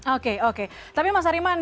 oke oke tapi mas ariman